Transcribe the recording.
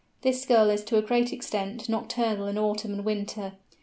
This Gull is to a great extent nocturnal in autumn and winter.